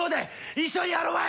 一緒にやろまい！